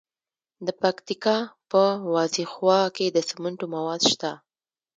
د پکتیکا په وازیخوا کې د سمنټو مواد شته.